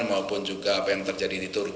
maupun juga apa yang terjadi di turki